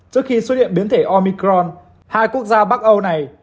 trước khi xuất hiện biến thể omicron hai quốc gia bắc âu này